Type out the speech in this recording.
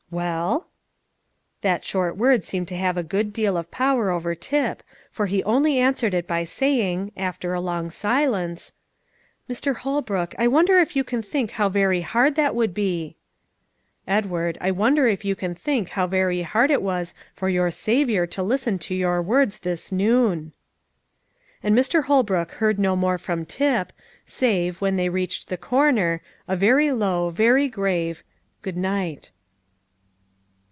"Well?" That short word seemed to have a good deal of power over Tip, for he only answered it by saying, after a long silence, "Mr. Holbrook, I wonder if you can think how very hard that would be?" "Edward, I wonder if you can think how very hard it was for your Saviour to listen to your words this noon?" And Mr. Holbrook heard no more from Tip, save, when they reached the corner, a very low, very grave "Good night."